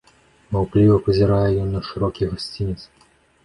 Маўкліва пазірае ён на шырокі гасцінец.